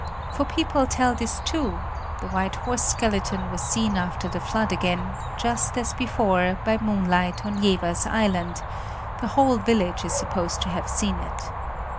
For people tell this too: the white horse skeleton was seen after the flood again, just as before, by moonlight on Jevers Island; the whole village is supposed to have seen it.